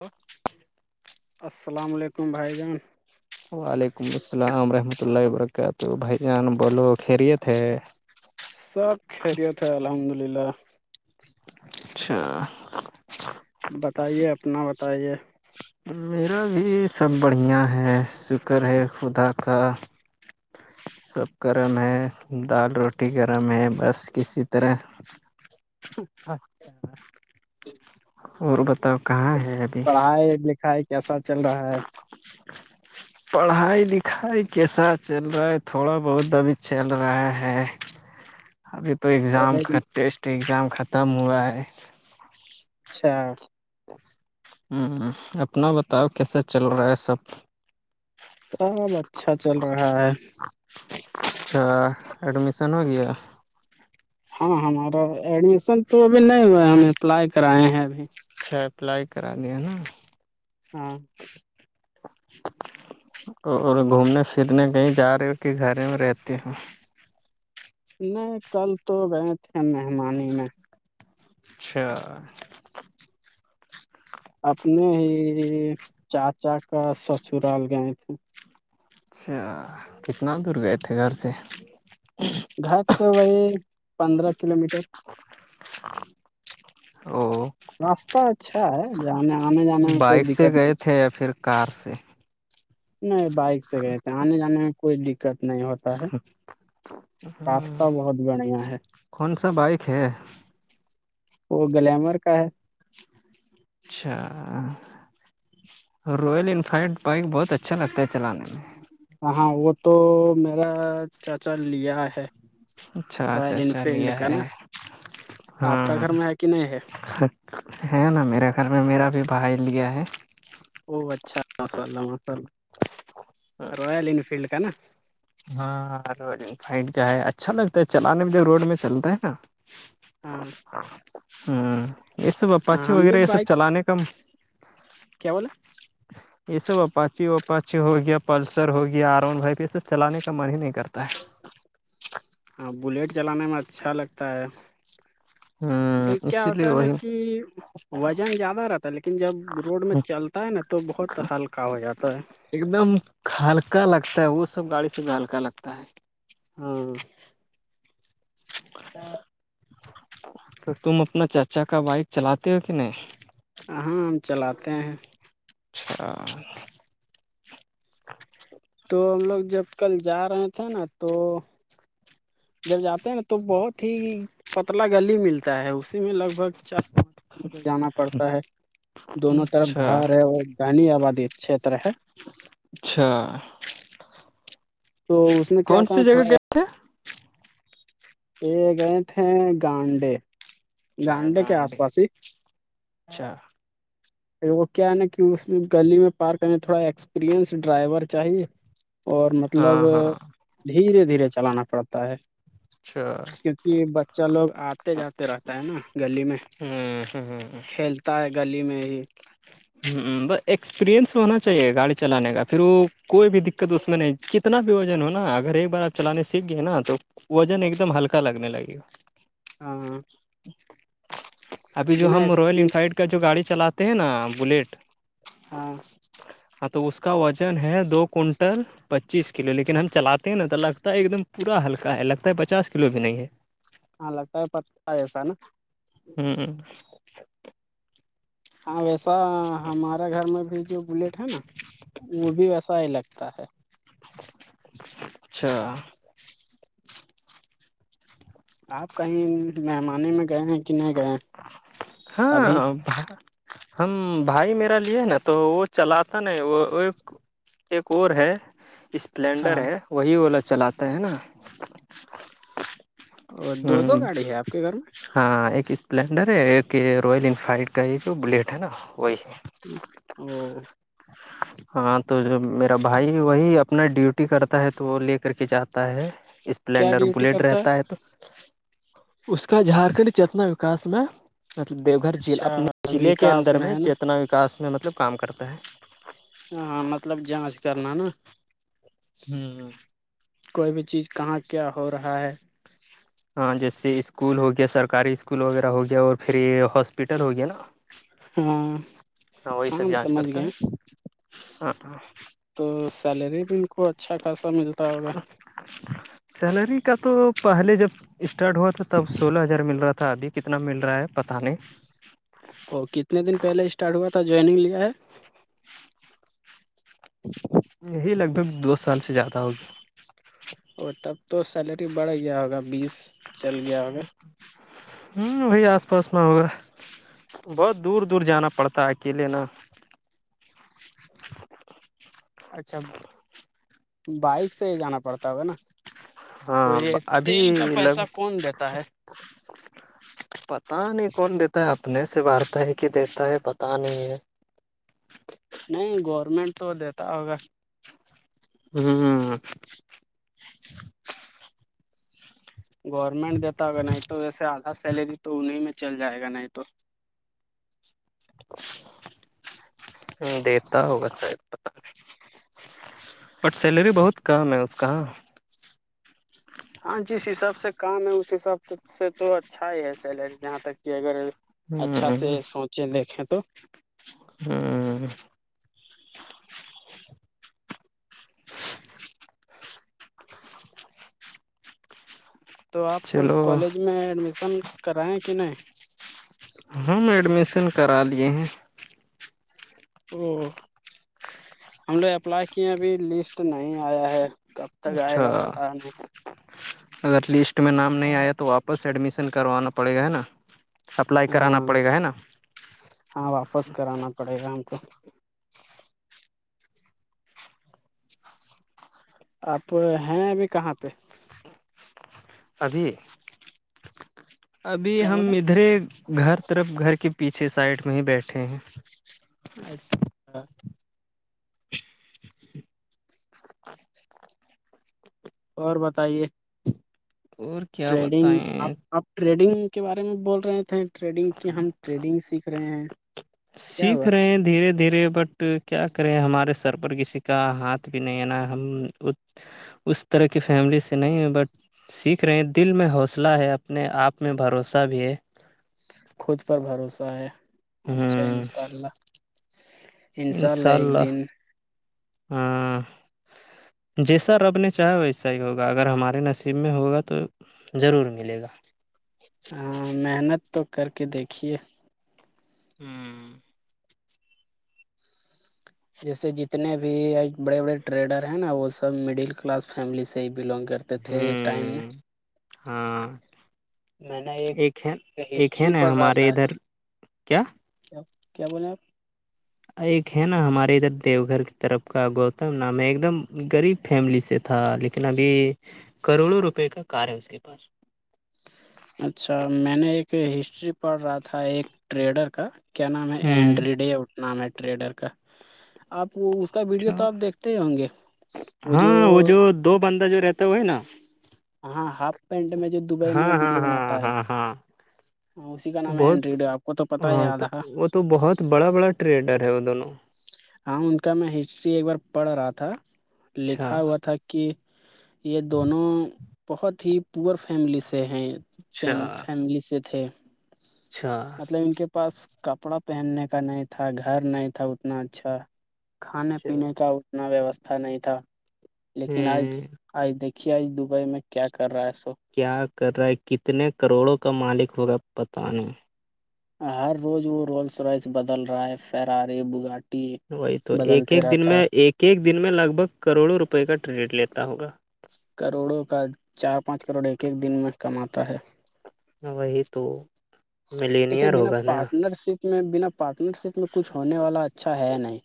لو السلام علیکم بھائی جان وعلیکم السلام رحمتۃ اللہ وبرکاتہ بھائی جان بولو خیریت ہے سب خیریت ہے الحمد للہ اچھا بتائیے اپنا بتائیے میرا بھی سب بڑھیا ہے شکر ہے خدا کا سب گرم ہے دال روٹی گرم ہے بس کسی طرح اچھا اور بتاؤ کہاں ہے- پڑھائی لکھائی کیسا چل رہا ہے- پڑھائی لکھائی کیسا چل رہا ہے تھوڑا بہت ابھی چل رہا ہے [inaudible] ابھی تو ایگزام کالج ٹیسٹ اگزام ختم ہوا ہے- اچھا ہ اپنا بتاؤ کیسے چل رہا ہے سب اب اچھا چل رہا ہے اچھا ایڈمشن ہو گیا ہاں ہمارا ایڈمیشن تو ابھی نہیں ہوا ہے ہم اپلائی کرائے ہیں ابھی اچھا اپلائی کرا دیا نا ہاں اور گھومنے پھرنے کہیں جا رہے ہو کہ گھر میں رہتی ہ نہیں کل تو گئے تھے مہمانی میں اچھا اپنے ہی چاچا کا سسرال گئے تھے اچھا کتنا دور گئے تھے گھر سے گاٹ س وہ ہے پندر کلو میٹر او راستہ اچھا ہے جان آنے جانے میں کوئی بائک سے دقت نہیں گئے تھے یا پھر کار سے نہیں بائک سے گئے تھے آنے جانے میں کوئی دقت نہیں ہوتا ہے راسہ بہت بڑھیا ہے کون سا بائک ہے وہ گلیمر کا ہے اچھا روائل انفیلڈ بائک بہت اچھا لگتا ہے چلانے میں ہاں, ہاں وہ تو میرا چاچا لیا ہے اچھا اچھا رائل اچھا انفیلڈ لیا کا نا ہے آپ کا ہاں گھر میں ہے کہ نہیں ہے ہے نا میرے گھر میں میرا بھی بھائی لیا ہے او اچھا ماشاء اللہ ماشاء اللہ رائل انفیلڈ کا نا ہاں سائڈ کا ہے اچھا لگتا ہے چلانے میں ج روڈ میں چلتا ہے نا ہاں ہوں یہ سب ہاں اپاچے ہم وغیرہ بھی یہ سب بائک چلانے کا کیا بولا یہ سب اپاچی واچی ہو گیا پلسر ہو گیا آرامڈ وائپ یہ سب چلانے کا من ہی نہیں کرتا ہے ہاں بلیٹ چلانے میں اچھا لگتا ہے ہے ہ دیکھ کیا اسی ہوتا لیے ہے ن وہی کہ وزن زیادہ رہتا ہے لیکن جب روڈ میں چلتا ہے نا تو بہت ہلکا ہو جاتا ہے ایک دم ہلکا لگتا ہے وہ سب گاڑی سے بھی ہلکا لگتا ہے ہاں تو تم اپنا چاچا کا بائک چلاتے ہو کہ نہیں ہاں ہم چلاتے ہیں اچھا تو ہم لوگ جب کل جا رہے تھے نا تو جب جاتے ہیں نا تو بہت ہی پتلا گلی ملتا ہے اسی میں لگ بھگ چ ٹر جانا پڑتا ہے دونوں طرف اچھا گھر ہے اور گانی آبادی چھیت ہے اچھا تو اس میں کیا کون ہوتا سی ہے جگہ تھوڑا گئے تھے یہ گئے تھے گانڈے اچھا گانڈے کے آس گانڈی پاس ہی اچھا وہ کیا ہے نا کہ اس میں گلی میں پارک کرنے تھوڑا ایکسپریئنس ڈرائیور چاہیے اور مطلب ہاں ہاں دھیرے دھیرے چلانا پڑتا ہے اچھا ہ کیوںکہ بچہ لوگ آتے جاتے رہتا ہے نا گلی میں کھیل ہوتا ہے گلی میں ہی ہ بس ایکسپیرئنس ہونا چاہیے گاڑی چلانے کا پھر وہ کوئی بھی دقت اس میں نہیں کتنا بھی وجن ہو نا اگر ایک بار آپ چلانے سیکھ گئے نا تو وزن ایک دم ہلکا لگنے لگی گ ہاں ہاں ابھی جو ہم رویل ایکسپریئنس انفیلڈ کا جو گاڑی چلاتے ہیں نا بلیٹ ہاں ہاں تو اس کا وزن ہے دو کنٹل پچیس کلو لیکن ہم چلاتے ہیں نا تو لگتا ہے ایک دم پورا ہلکا ہے لگتا ہے پچاس کلو بھی نہیں ہے ہاں لگتا ہے پتا ہےسا نا ہوں ہاں ویسا ہمارے گھر میں بھی جو بلیٹ ہے نا وہ بھی ویسا ہی لگتا ہے اچھا آپ کہیں مہمانے میں گئے ہیں کہ نہیں گئے ہیں ہاں ابھی ہم بھائی میرا لیے ہے نا تو وہ چلاتا نا وہ ایک اور ہے ہاں اسپلنڈر ہے وہی اولا چلاتا ہے نا اور دو دو ہوں گاڑی ہے آپ کے گھر میں ہاں ایک اسپلینڈر ہے ایک رائل انفائلڈ کا یہ جو بلیٹ ہے نا وہی ہے او [inaudible] ہاں تو جو میرا بھائی وہی اب اپنا ڈیوٹی کرتا ہے تو وہ لے کر کے جاتا ہے کیا اسپلینڈر ڈیوٹی بلیٹ کرتا رہتا ہے تو اس کا جھارکھنڈ چتنا وکاس میں مطلب دیو گھر اچھا اپنے ضلع کے وکاس اندر میں ہے نا چیتنا وکا میں مطلب کام کرتا ہے ہاں مطلب جانچ کرناانا ہ ہ [unintelligible] کوئی بھی چیز کہاں کیا ہو رہا ہے ہاں جیسے اسکول ہو گیا سرکاری اسکول وغیرہ ہو گیا اور پھر ہاسپٹل ہو گیا نا ہاں ہاں وہی ہم سمجھ گئے ا [inaudible] تو سیلری بھی ان کو اچھا خاصا ملتا ہوگا سیلری کا تو پہلے جب اسٹارٹ ہوا تھا تب سولہ ہزار مل رہا تھا تھا ابھی کتنا مل رہا ہے پتاہ نہیں ا کتنے دن پہلے اسٹارٹ ہوا تھا جوائننگ لیا ہے یہی لگ بھگ دو سال سے جاتا ہوگی اور تب تو سیلری بڑھ گیا ہوگا بیس چل گیا ہوگا ہوں وہی آس پاس میں ہوگا بہت دور دور جانا پڑتا ہے اکیلے نا اچھا بائک سے جانا پڑتا ہوگا نا تو ہاں یہ تیل کا ابھی پیسہ لگ کون دیتا ہے پتا نہیں کون دیتا ہے اپنے سے بارتا ہے کہ دیتا ہے پتا نہیں ہے نہیں گورنمنٹ تو دیتا ہوگا ہاں گورنمنٹ دیتا ہوگا نہیں تو ویسے آدھا سیلری تو انہیں میں چل جائے گا نہیں تو دیتا ہوگا س پ بٹ سیلری بہت کم ہے اس کا ہاں جس حساب سے کام ہے اس حساب سے تو اچھا ہی ہے سیلری جہاں تک کہ اگر اچھا ہ سے سوچیں دیکھیں تو ہاں تو آپ چلو کالج میں ایڈمیشن کرائیں کہ نہیں ہم ایڈمیشن کرا لیے ہیں او ہم نےو اپلائی کیے ہیں ابھی لسٹ نہیں آیا ہے کب تک اچھا آئے گا پتہ نہیں اگر لسٹ میں نام نہیں آیا تو واپس ایڈمیشن کروانا پڑے گا ہے نا اپلائی کرانا ہاں پڑے گا ہے نا ہاں واپس کرانا پڑے گا ہم کو آپ ہیں ابھی کہاں پہ ابھی ابھی کیا ہم بولے ادھرے گھر طرف گھر کے پیچھے سائڈ میں ہی بیٹھے ہیں اچھا اچھا اور بتائیے اور کیا ٹریڈنگ بتائیں آپ آپ ٹریڈنگ کے بارے میں بول رہے تھے ٹریڈنگ کی ہم ٹریڈنگ سیکھ رہے ہیں کیا سیکھ ہوا رہے دھیرے دھیرے بٹ کیا کریں ہمارے سر پر کسی کا ہاتھ بھی نہیں ہے نا ہم اس طرح کی فیملی سے نہیں ہے بٹ سیکھ رہے ہیں دل میں حوصلہ ہے اپنے آپ میں بھروسہ بھی ہے خود پر بھروسہ ہے اچھا ہے ہوں انشاء اللہ ان شاء اللہ ایک دن ہاں جی سر اپنے چاہی صحیح ہوگا اگر ہمارے نصیب میں ہوگا تو ضرور ملے گا ہاں محنت تو کر کے دیکھیے ہوں جیسے جتنے بھی بڑے بڑے ٹریڈر ہیں نا وہ سب مڈل کلاس فیملی سے ہی بلونگ کرتے تے تھے ایک ٹائم میں ہوں ہاں میں نے ایک ہے ایک ہے ہسٹری نا پڑھ رہا ہمارے تھا ادھر کیا کیا بولیں آپ ایک ہے نا ہمارے ادھر دیو گھر کی طرف کا گوتم نام ہے ایک دم غریب فیملی سے تھا لیکن ابھی کروڑوں روپے کا کار ہے اس کے پاس اچھا میں نے ایک ہسٹری پڑھ رہا تھا ایک ٹریڈر کا کیا نام ہے ہوں اینڈریڈے اھناام ہے ٹریڈر کا آپ وہ اس کا ویڈیو تو اچھا آپ دیکھتے ہی ہوں گے وہ جو دو بندہ جو رہتا ہے ہوی نا ہاں ہاف پینٹ میں جو دبئی ہاں میں ویڈیو ہاں ہاں بناتا ہے ہاں ہاں ہاں اسی کا نام ہے بہت اینڈریڈ ہے آپ کو تو پتا ہی ہاں یاد تو رہا وہ تو بہت بڑا بڑا ٹریڈر ہے وہ دونوں ہاں ان کا میں ہسٹری ایک بار پڑھ رہا تھا اچھا لکھا ہوا تھا تھا کہ یہ دونوں بہت ہی پور فیملی سے ہیں اچھا فیملی سے تھے اچھا مطلب ان کے پاس کپڑا پہننے کا نہیں تھا گھر نہیں تھا اتنا اچھا کھانے اچھا پینے کا اتنا ویوستھا نہیں تھا لیکن آج ہوں آج دیکھیے آج دبئی میں کیا کر رہا ہے سو کیا کر رہا ہے کتنے کروڑوں کا مالک ہوگا بتاانوں ہر روز وہ رولس رائز بدل رہا ہے فرار بگا وہی تو ایک ایک دن میں ایک ایک دن میں لگ بھگ کروڑوں روپئے کا ٹریڈٹ لیتا ہوگا کروڑوں کا چار پانچ کروڑ ایک ایک دن میں کماتا ہے وہی تو دیکھیے ملینئر بنا ہوگا نا پارٹنر شپ میں بنا پارٹنر شپ میں کچھ ہونے والا اچھا ہے نہیں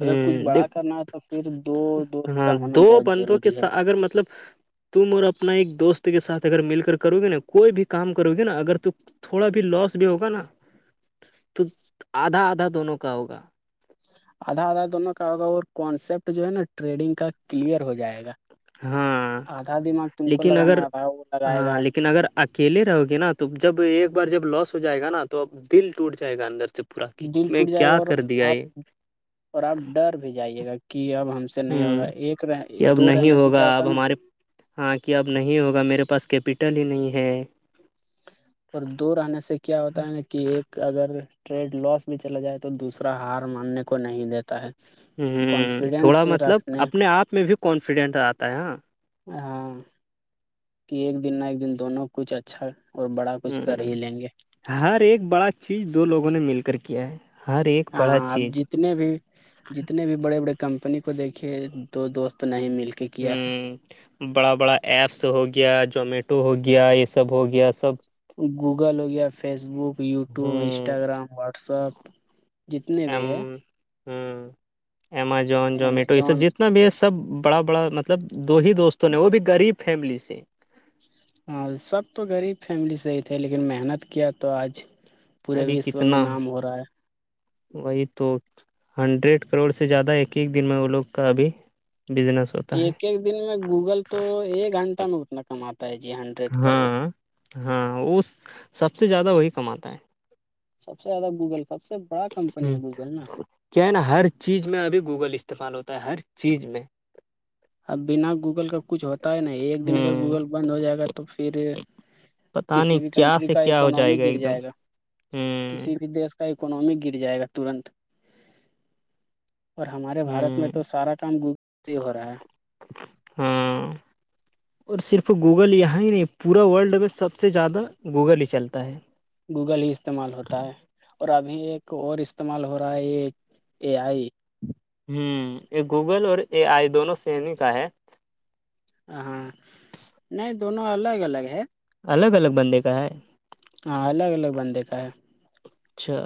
اگر کچھ بڑا دیک کرنا ہے تو پھر دو دوست ہاں کا ہونا دو بہت بندوں کے ضروری ہے ساتھ اگر مطلب تم اور اپنا ایک دوست کے ساتھ اگر مل کر کرو گی نا کوئی بھی کام کرو گی نا اگر ت تھوڑا بھی لوس بھی ہوگا نا تو آدھا آدھا دونوں کا ہوگا آدھا آدھا دونوں کا ہوگا اور کانسپٹ جو ہے نا ٹریڈنگ کا کلیئر ہو جائے گا ہاں آدھا دماغ تم کو لیکن اگر لگانا رہتا وہ لگائے ہاں گا لیکن اگر اکیلے رہو گے نا تو جب ایک بار جب لاس ہو جائے گا نا تو اب دل ٹوٹ جائے گا اندر سے پاک دل میں ٹوٹ جائے گا کیا اور کر دیا آپ یہ اور آپ ڈر بھی جائیے گا کہ اب ہم سے نہیں ہ ہوگا ایک کہ اب دو نہیں رہنے سے ہوگا کیا ہوتا اب نا ہمارے ہاں کہ اب نہیں ہوگا میرے پاس کیپیٹل ہی نہیں ہے اور دور آنے سے کیا ہوتا ہے کہ ایک اگر ٹریڈ لاس بھی چلا جائے تو دوسرا ہار ماننے کو نہیں دیتا ہے ہ ہ تھوڑا کانفیڈینس مطلب رکھنے اپنے آپ میں بھی کانفیڈینٹ آتا ہے ہاں ہاں کہ ایک دن نہ ایک دن دونوں کچھ اچھا اور بڑا کچھ کر ہی ہ لیں گے ہر ایک بڑا چیز دو لوگوں نے مل کر کیا ہے ہر ایک بڑا ہاں اب چیز جتنے بھی جتنے بھی بڑے بڑے کمپنی کو دیکھیے دو دوست نہیں مل کے کیا ہے بڑا بڑا ایپس ہو گیا جومیٹو ہو گیا یہ سب ہو گیا سب گوگل ہو گیا فیسبک یوٹیوب ہوں انسٹاگرام واٹسپ جتنے ہ بھی ہے امازون جومیٹو یہ امیزون سب جتنا بیس سب بڑا بڑا مطلب دو ہی دوستوں نے وہ بھی غریب فیملی سے ہاں سب تو غریب فیملی سے ہی تھے لیکن محنت کیا تو آج پورے ابھی وشو میں کتنا نام ہو رہا ہے وہی توک ہنڈریڈ کروڑ سے زیادہ ایک ایک دن میں وہ لوگ کا ابھی بزنس ہوتا ہے ایک ایک دن میں گوگل تو ایک گھنٹہ میں اتنا کماتا ہے جی ہنٹ ہاں ہاں وہ سب سے زیادہ وہی کماتا ہے سب سے زیادہ گوگل سب سے بہ ہ کیا ہے نا ہر چیز میں ابھی گوگل استعمال ہوتا ہے ہر چیز میں اب بنا گوگل کا کچھ ہوتا ہی نہیں ایک دن اگر ہوں گوگل بند ہو جائے گا تو پھر پتا نہیں کسی بھی کیا کنٹری سے کا کیا ہو اکنمی گر ایک دم جائے گا ہوں کسی بھی دیس کا کا اکنمی گر جائے گا ترنت اور ہمارے بھارت میں ہوں تو سارا کام گوگل پہ ہی ہو رہا ہے ہاں اور صرف گوگل یہاں ہی نہیں پورا ورلڈ میں سب سے زیادہ گوگل ہی چلتا ہے گوگل ہی استعمال ہوتا ہے اور ابھی ایک اور استعمال ہو رہا ہے یہ ا آئی ہوں یہ گوگل اور اے آئی دونوں سنی کا ہے ہاں نہیں دونوں الگ الگ ہے الگ الگ بندے کا ہے ہاں الگ الگ بندے کا ہے اچھا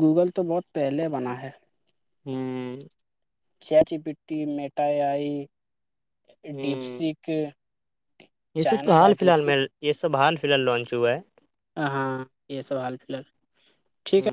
گوگل تو بہت پہلے بنا ہے ہوں چچی پٹی مٹھائیئی ہوں ڈپسیک یہ سب تو حال فیحال میں یہ سب حال فی الحال لانچ ہوا ہے ہاں یہ سب حال فی الحال ٹھیک ہے